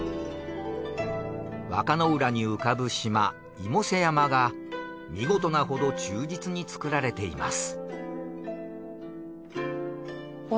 和歌の浦に浮かぶ島妹背山が見事なほど忠実に造られています。